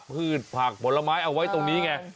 พืชผักผลไม้เอาไว้ตรงนี้ไง